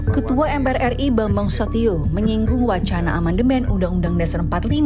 ketua mpr ri bambang sotio menyinggung wacana amandemen undang undang dasar seribu sembilan ratus empat puluh lima